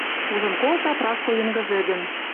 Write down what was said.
Ужын колта Праско Йынгы вӹдӹм